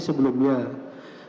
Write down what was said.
sebelumnya diberikan ke pak jafar